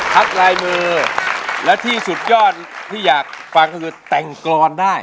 ลายมือแล้วที่สุดยอดที่อยากฟังก็คือแต่งกรอนได้